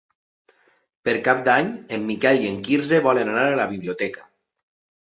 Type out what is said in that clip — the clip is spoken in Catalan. Per Cap d'Any en Miquel i en Quirze volen anar a la biblioteca.